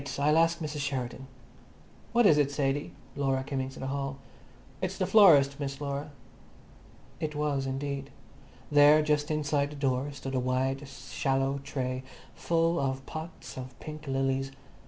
I'll ask Mrs Sheridan." "What is it, Sadie?" Laura came into the hall. "It's the florist, Miss Laura." It was, indeed. There, just inside the door, stood a wide, shallow tray full of pots of pink lilies.